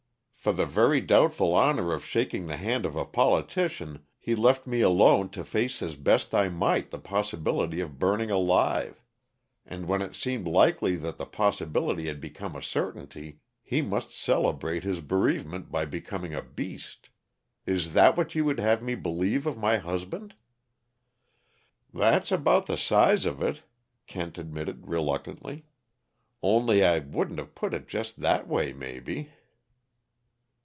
"For the very doubtful honor of shaking the hand of a politician, he left me alone to face as best I might the possibility of burning alive; and when it seemed likely that the possibility had become a certainty, he must celebrate his bereavement by becoming a beast. Is that what you would have me believe of my husband?" "That's about the size of it," Kent admitted reluctantly. "Only I wouldn't have put it just that way, maybe."